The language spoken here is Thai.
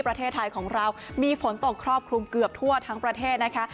ประเทศไทยของเรามีฝนตกครอบคลุมเกือบทั่วทั้งประเทศนะคะ